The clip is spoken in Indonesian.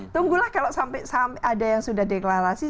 tunggulah kalau sampai ada yang sudah deklarasi